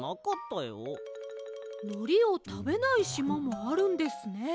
のりをたべないしまもあるんですね。